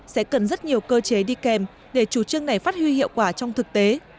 sẽ cần rất nhiều cơ chế đi kèm để chủ trương này phát huy hiệu quả trong thực tế